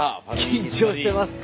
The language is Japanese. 緊張してます。